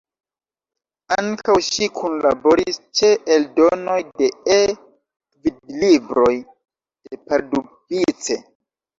Ankaŭ ŝi kunlaboris ĉe eldonoj de E-gvidlibroj de Pardubice.